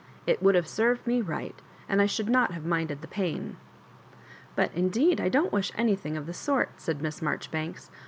It would have served me right, and I should not have minded the pain.'' '^But indeed I don't wish wything of the sort," said Mias Maijoribanks.